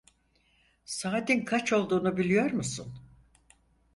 Saatin kaç olduğunu biliyor musun?